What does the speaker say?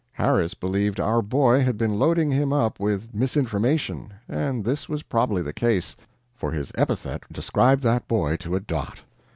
Harris believed our boy had been loading him up with misinformation; and this was probably the case, for his epithet described that boy to a dot.